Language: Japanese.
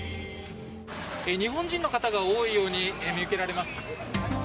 日本人の方が多いように見受けられます。